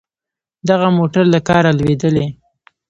دغه موټر له کاره لوېدلی.